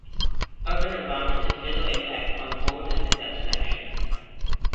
Urban environments have little impact on vole habitat selection.